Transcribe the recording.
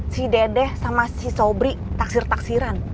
si dedeh sama si sobri taksir taksiran